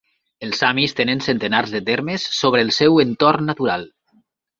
Els samis tenen centenars de termes sobre el seu entorn natural.